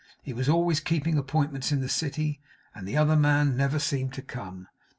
He was always keeping appointments in the City, and the other man never seemed to come.